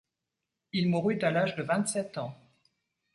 Il mourut à l'âge de vingt-sept ans.